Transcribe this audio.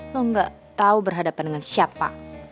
lo gak tahu berhadapan dengan siapa